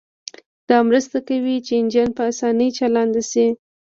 دا مرسته کوي چې انجن په اسانۍ چالان شي